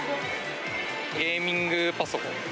ゲーミングパソコン。